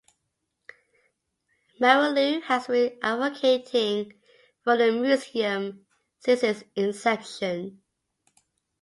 Marylou has been advocating for the museum since its inception.